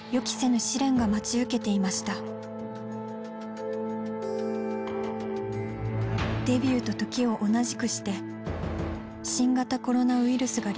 デビューと時を同じくして新型コロナウイルスが流行したのです。